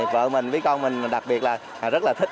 vợ mình với con mình đặc biệt là rất là thích